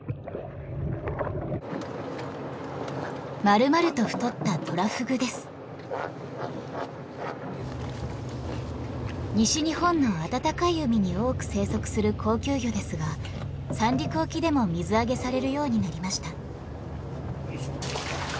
丸々と太った西日本の暖かい海に多く生息する高級魚ですが三陸沖でも水揚げされるようになりました。